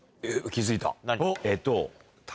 気付いた。